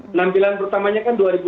penampilan pertamanya kan dua ribu enam